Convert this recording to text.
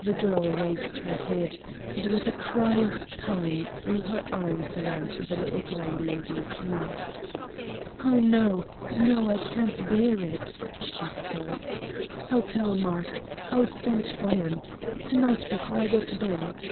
The girl raised her head, and with a cry of pain threw her arms around the Little Gray Lady's neck: "Oh, no! no! I can't bear it!" she sobbed! "I'll tell Mark! I'll send for him to night before I go to bed!"